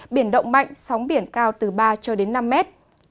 biển động mạnh sóng biển cao từ ba cho đến năm mét